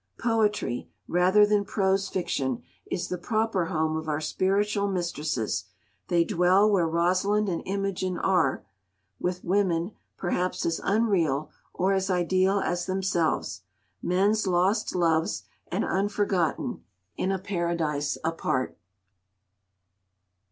Poetry, rather than prose fiction, is the proper home of our spiritual mistresses; they dwell where Rosalind and Imogen are, with women perhaps as unreal or as ideal as themselves, men's lost loves and unforgotten, in a Paradise apart.